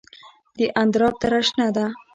د اندراب دره شنه ده